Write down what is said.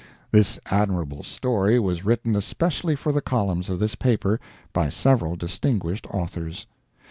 This admirable story was written especially for the columns of this paper by several distinguished authors.